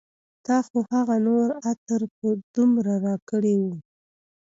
تا خو هغه نور عطر په دومره راکړي و